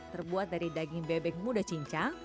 terbuat dari daging bebek muda cincang